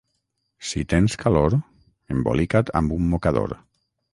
Si tens calor, embolica't amb un mocador.